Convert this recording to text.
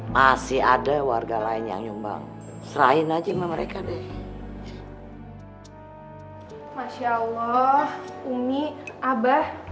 masya allah umi abah